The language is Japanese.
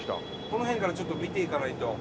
この辺からちょっと見ていかないと。